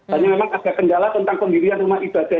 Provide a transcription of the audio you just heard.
hanya memang ada kendala tentang pendirian rumah ibadah